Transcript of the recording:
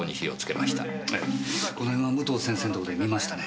ええこの辺は武藤先生んとこで見ましたね。